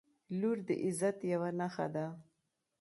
• لور د عزت یوه نښه ده.